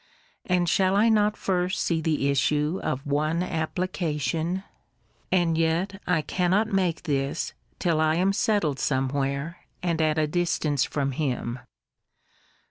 And shall I not first see the issue of one application? And yet I cannot make this, till I am settled somewhere, and at a distance from him.